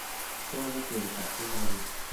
จนถึงปัจจุบัน